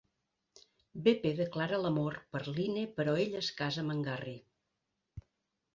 Beppe declara l'amor per Lynne però ella es casa amb Garry.